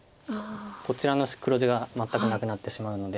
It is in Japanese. こちらの黒地が全くなくなってしまうので。